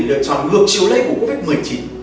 lựa chọn lược chiếu lấy của covid một mươi chín